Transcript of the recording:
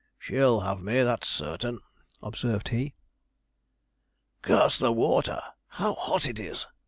'She'll have me, that's certain,' observed he. 'Curse the water! how hot it is!'